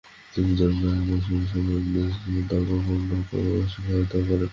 তিনি John Clark মার্শম্যানের সম্পাদনায় সমাচার দর্পণ প্রকাশে সহায়তা করেন।